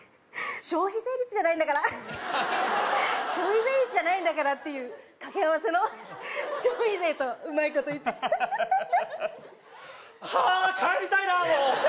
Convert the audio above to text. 消費税率じゃないんだから消費税率じゃないんだからっていう掛け合わせの消費税とうまいこと言ってハハハハはあ帰りたいなもう！